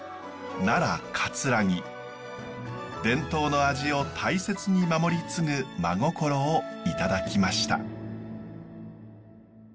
奈良・城伝統の味を大切に守り継ぐ真心をいただきました。